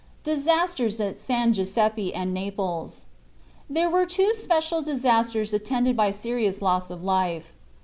DISASTERS AT SAN GIUSEPPE AND NAPLES. There were two special disasters attended by serious loss of life.